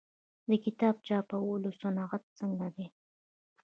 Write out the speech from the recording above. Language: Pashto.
د کتاب چاپولو صنعت څنګه دی؟